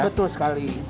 betul betul sekali